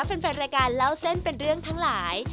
แฟนรายการเล่าเส้นเป็นเรื่องทั้งหลาย